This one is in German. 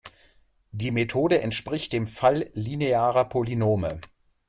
Die Methode entspricht dem Fall linearer Polynome.